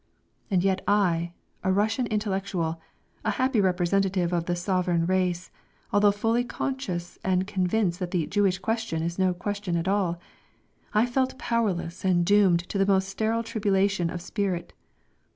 And yet I, a Russian intellectual, a happy representative of the sovereign race, although fully conscious and convinced that the "Jewish question" is no question at all, I felt powerless and doomed to the most sterile tribulation of spirit.